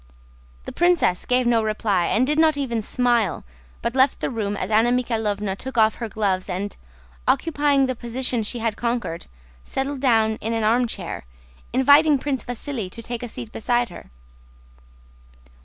The princess gave no reply and did not even smile, but left the room as Anna Mikháylovna took off her gloves and, occupying the position she had conquered, settled down in an armchair, inviting Prince Vasíli to take a seat beside her.